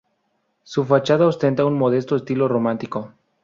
Su fachada ostenta un modesto estilo románico.